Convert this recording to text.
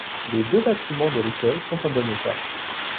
Les deux bâtiments de l'école sont en bon état.